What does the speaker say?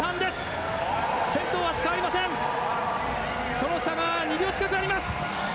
その差が２秒近くあります。